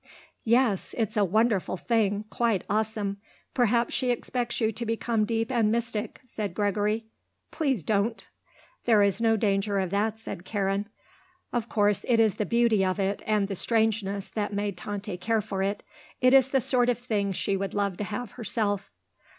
"Yes, it's a wonderful thing; quite awesome. Perhaps she expects you to become deep and mystic," said Gregory. "Please don't." "There is no danger of that," said Karen. "Of course it is the beauty of it and the strangeness, that made Tante care for it. It is the sort of thing she would love to have herself."